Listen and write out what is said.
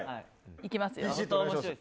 いきますよ。